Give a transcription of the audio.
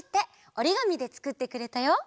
おりがみでつくってくれたよ。